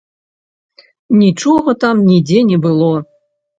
Нічога там нідзе не было.